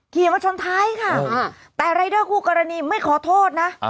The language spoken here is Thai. ขี่มาชนท้ายค่ะแต่รายเดอร์คู่กรณีไม่ขอโทษนะ